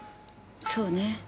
そうね。